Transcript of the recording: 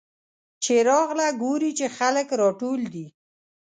چې راغله ګوري چې خلک راټول دي.